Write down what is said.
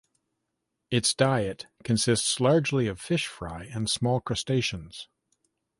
Its diet consists largely of fish fry and small crustaceans.